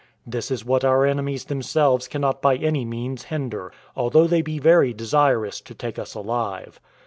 This is what our enemies themselves cannot by any means hinder, although they be very desirous to take us alive.